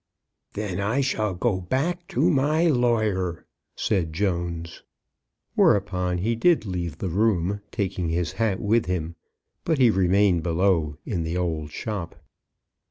"Then I shall go back to my lawyer," said Jones. Whereupon he did leave the room, taking his hat with him; but he remained below in the old shop.